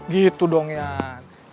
gitu dong yang